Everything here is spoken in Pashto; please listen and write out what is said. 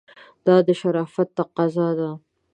دا د شرافت تقاضا ده.